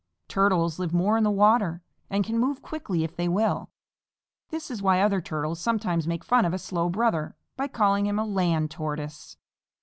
Turtles live more in the water and can move quickly if they will. This is why other Turtles sometimes make fun of a slow brother by calling him a Land Tortoise.